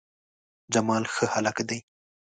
جمال ښه هلک ده